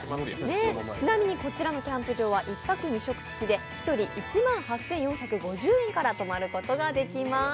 ちなみにこちらのキャンプ場は１泊２食付きで１人１万８４５０円から泊まることができます。